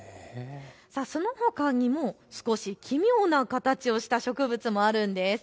そのほかにも少し奇妙な形をした植物もあるんです。